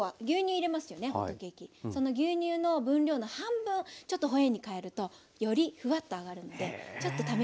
その牛乳の分量の半分ちょっとホエーにかえるとよりフワッとあがるのでちょっと試してみて下さい。